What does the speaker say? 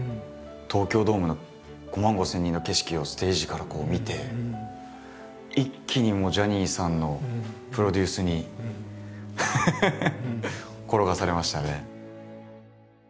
東京ドームの５万５，０００人の景色をステージからこう見て一気にジャニーさんのプロデュースに転がされましたね。